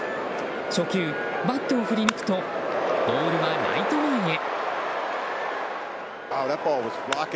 初球、バットを振り抜くとボールはライト前へ。